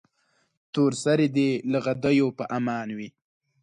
تور سرې دې له غدیو په امان وي.